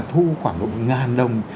thu khoảng một đồng